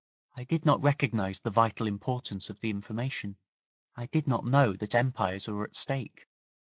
'I did not recognize the vital importance of the information; I did not know that Empires were at stake.